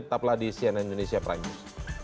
tetaplah di cnn indonesia prime news